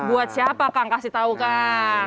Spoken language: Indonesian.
buat siapa kang kasih tahu kang